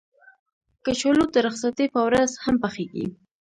کچالو د رخصتۍ په ورځ هم پخېږي